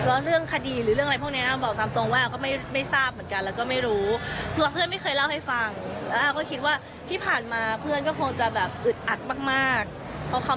แล้วเรื่องคดีหรือเรื่องอะไรพวกนี้บอกตามตรงว่าก็ไม่ทราบเหมือนกันแล้วก็ไม่รู้คือเพื่อนไม่เคยเล่าให้ฟัง